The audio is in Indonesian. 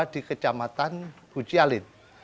dua di kecamatan hucyalin